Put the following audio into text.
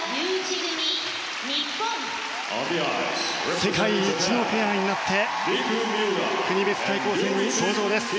世界一のペアになって国別対抗戦に登場です。